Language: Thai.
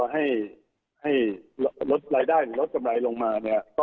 ให้ลดรายได้หรือลดกำไรลงมาเนี่ย